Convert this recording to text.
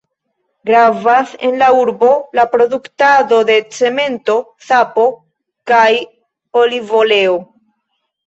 Gravas en la urbo, la produktado de cemento, sapo kaj olivoleo.